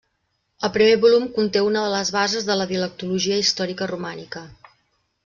El primer volum conté una de les bases de la dialectologia històrica romànica.